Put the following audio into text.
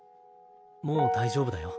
もう大丈夫だよ。